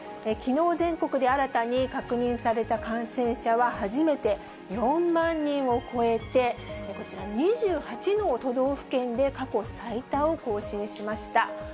きのう、全国で新たに確認された感染者は、初めて４万人を超えてこちら、２８の都道府県で過去最多を更新しました。